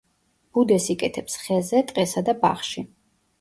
ბუდეს იკეთებს ხეზე ტყესა და ბაღში.